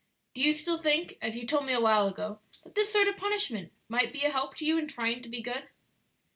Do you still think, as you told me a while ago, that this sort of punishment might be a help to you in trying to be good?"